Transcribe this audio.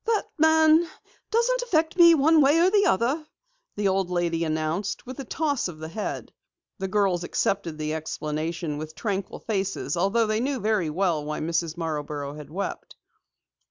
"That man doesn't affect me one way or the other," the old lady announced with a toss of the head. The girls accepted the explanation with tranquil faces although they knew very well why Mrs. Marborough had wept.